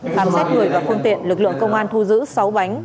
khám xét người và phương tiện lực lượng công an thu giữ sáu bánh